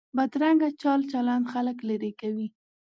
بدرنګه چال چلند خلک لرې کوي